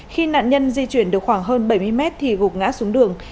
khi nạn nhân di chuyển được khoảng hơn bảy mươi mét thì gục ngã xuống đường